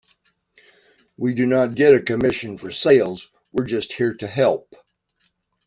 We do not get a commission for sales, we're just here to help.